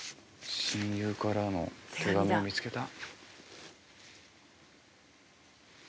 親友からの手紙を見つけた。